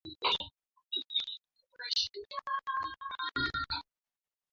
Mifugo iogeshwe mara kwa mara kuzuia maambukizi